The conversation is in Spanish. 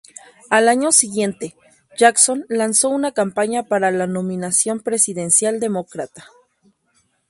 Al año siguiente, Jackson lanzó una campaña para la nominación presidencial demócrata.